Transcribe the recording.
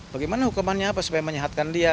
bagaimana hukumannya apa supaya menyehatkan dia